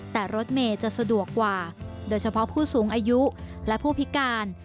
แต่รถเมย์จะสะดวกกว่าโดยเฉพาะผู้สูงอายุและผู้พิการ